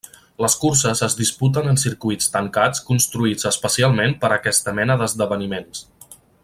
Les curses es disputen en circuits tancats construïts especialment per a aquesta mena d'esdeveniments.